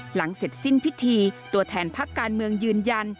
หลังเสร็จสิ้นพิธีตัวแทนพักการเมืองยืนยัน